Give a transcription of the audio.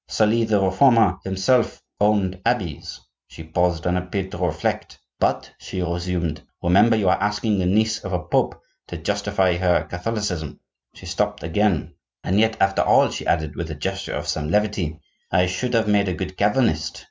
Sully, the Reformer, himself owned abbeys.' She paused, and appeared to reflect. 'But,' she resumed, 'remember you are asking the niece of a Pope to justify her Catholicism.' She stopped again. 'And yet, after all,' she added with a gesture of some levity, 'I should have made a good Calvinist!